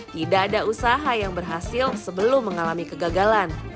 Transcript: tidak ada usaha yang berhasil sebelum mengalami kegagalan